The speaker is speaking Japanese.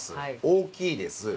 大きいです